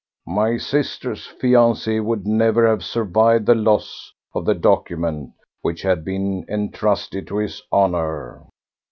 My sister's fiancé would never have survived the loss of the document which had been entrusted to his honour."